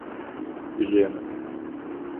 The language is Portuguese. Vilhena